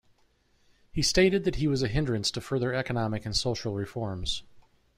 He stated that he was a hindrance to further economic and social reforms.